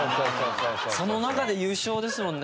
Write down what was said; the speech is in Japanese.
その中で優勝ですもんね。